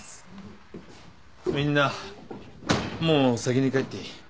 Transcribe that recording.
みんなもう先に帰っていい。